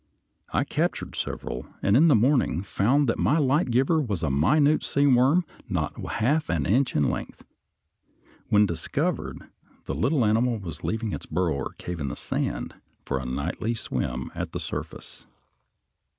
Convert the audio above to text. I captured several, and in the morning found that my light giver was a minute sea worm not half an inch in length. When discovered, the little animal was leaving its burrow or cave in the sand for a nightly swim at the surface.